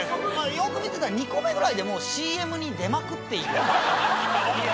よく見てたら２個目ぐらいでもう「ＣＭに出まくっている」